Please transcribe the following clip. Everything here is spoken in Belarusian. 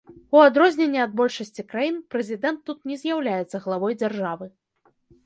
У адрозненне ад большасці краін, прэзідэнт тут не з'яўляецца главой дзяржавы.